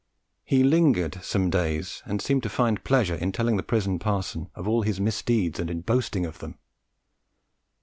He lingered some days and seemed to find a pleasure in telling the prison parson of all his misdeeds and in boasting of them.